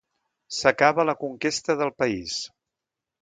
S'acaba la conquesta del país.